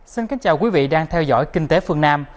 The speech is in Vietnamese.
xin kính chào quý vị đang theo dõi kinh tế phương nam